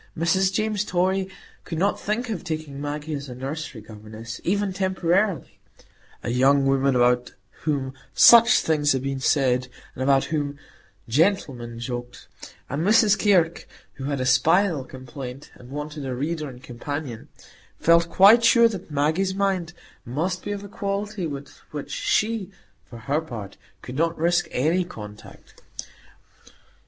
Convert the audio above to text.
Mrs James Torry could not think of taking Maggie as a nursery governess, even temporarily,—a young woman about whom "such things had been said," and about whom "gentlemen joked"; and Miss Kirke, who had a spinal complaint, and wanted a reader and companion, felt quite sure that Maggie's mind must be of a quality with which she, for her part, could not risk any contact.